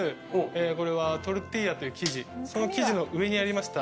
これはトルティーヤという生地その生地の上にありました